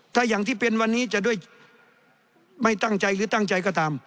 ถ้าอย่างที่เป็นวันนี้จะด้วยไม่ตั้งใจหรือตั้งใจก็ตาม